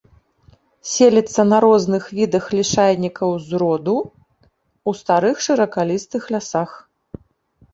Селіцца на розных відах лішайнікаў з роду ў старых шыракалістых лясах.